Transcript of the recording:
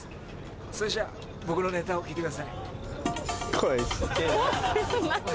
それじゃ僕のネタを聞いてください。